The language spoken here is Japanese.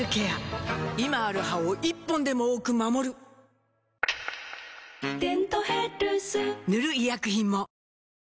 今ある歯を１本でも多く守る「デントヘルス」塗る医薬品も